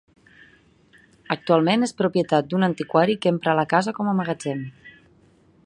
Actualment és propietat d'un antiquari que empra la casa com a magatzem.